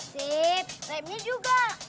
sip remnya juga